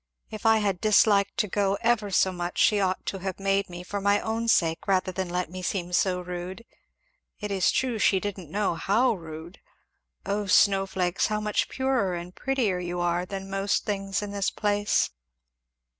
if I had disliked to go ever so much she ought to have made me, for my own sake, rather than let me seem so rude it is true she didn't know how rude. O snow flakes how much purer and prettier you are than most things in this place!"